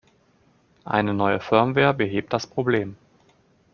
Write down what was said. Eine neue Firmware behebt das Problem.